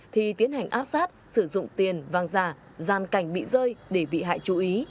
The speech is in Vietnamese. thì tiến hành áp sát sử dụng tiền vàng giả gian cảnh bị rơi để bị hại chú ý